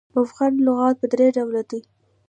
مفغن لغات پر درې ډوله دي.